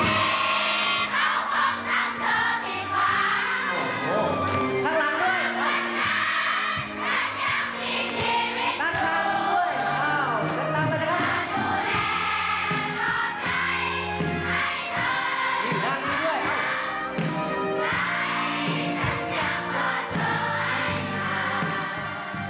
อย่างนั้นแล้วนะคะ